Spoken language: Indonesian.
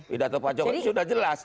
pidato pak jokowi sudah jelas